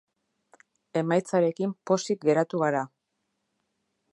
Emaitzarekin pozik geratu gara.